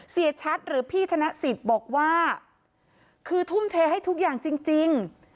เสียชัดหรือพี่ธนสิทธิ์บอกว่าคือทุ่มเทให้ทุกอย่างจริง